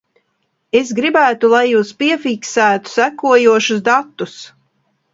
Es gribētu, lai jūs piefiksētu sekojošus datus.